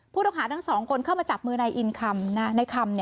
ผู้ต้องหาทั้งสองคนเข้ามาจับมือนายอินคำนายคำ